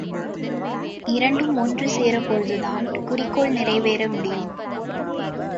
இரண்டும் ஒன்று சேரும்போதுதான் குறிக்கோள் நிறைவேற முடியும்.